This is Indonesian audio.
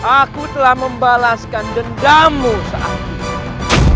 aku telah membalaskan dendamu saat ini